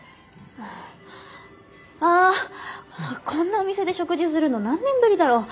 あこんなお店で食事するの何年ぶりだろう。